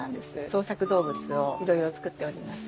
創作動物をいろいろ作っております。